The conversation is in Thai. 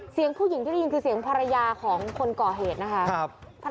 เสียงผู้หญิงที่ได้ยินคือเสียงภรรยาของคนก่อเหตุนะคะ